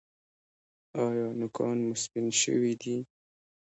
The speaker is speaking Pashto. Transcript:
ایا نوکان مو سپین شوي دي؟